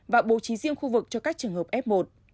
và bố trí riêng khu vực cho các trường hợp f một